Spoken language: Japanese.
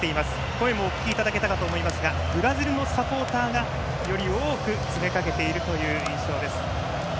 声もお聞きいただけたかと思いますがブラジルのサポーターがより多く詰め掛けている印象です。